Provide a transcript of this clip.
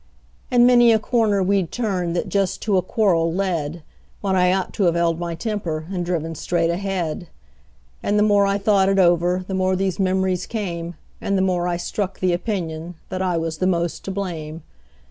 And many a corner we'd turned that just to a quarrel led, When I ought to 've held my temper, and driven straight ahead; And the more I thought it over the more these memories came, And the more I struck the opinion that I was the most to blame.